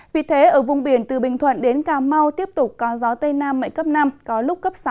vì thế ở vùng biển từ bình thuận đến cà mau tiếp tục có gió tây nam mạnh cấp năm có lúc cấp sáu